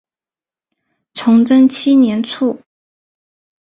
崇祯七年卒。